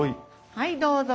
はいどうぞ。